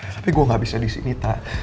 tapi gue gak bisa disini tak